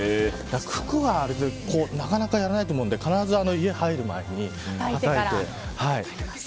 服は、なかなかやらないと思うんで必ず、家に入る前にはたいてから。